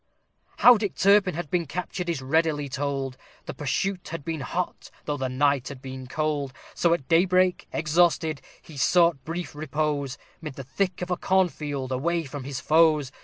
_ How Dick had been captured is readily told, The pursuit had been hot, though the night had been cold, So at daybreak, exhausted, he sought brief repose Mid the thick of a corn field, away from his foes.